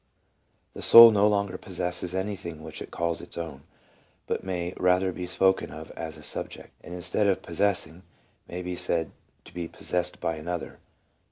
The soul no longer possesses anything which it calls its own, but may rather be spoken of as a subject, and instead of possessing, may be said to be possessed by another.